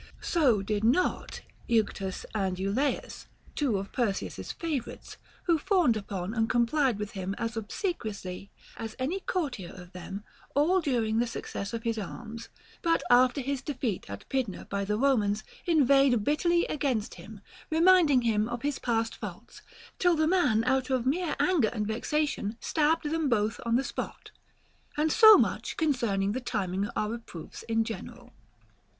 So did not Euctus and Eulaeus, two of Perseus's favorites ; who fawned upon and complied with him as obsequiously as any courtier of them all during the success of his arms, but after his defeat at Pydna by the Romans inveighed bit terly against him, reminding him of his past faults, till the man out of mere anger and vexation stabbed them both on the spot. And so much concerning the timing our reproofs in general.